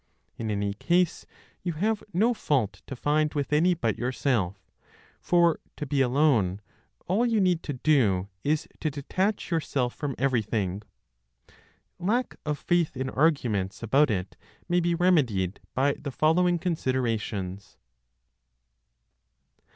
In any case, you have no fault to find with any but yourself; for, to be alone, all you need to do is to detach yourself from everything. Lack of faith in arguments about it may be remedied by the following considerations.